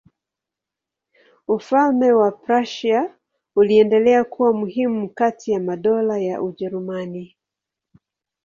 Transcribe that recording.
Ufalme wa Prussia uliendelea kuwa muhimu kati ya madola ya Ujerumani.